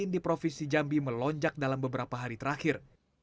di provinsi jambi melonjak dalam beberapa hari terakhir